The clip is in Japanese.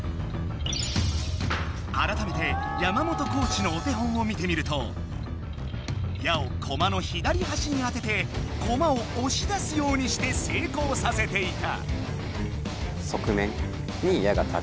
あらためて山本コーチのお手本を見てみると矢をコマの左はしに当ててコマをおし出すようにして成功させていた。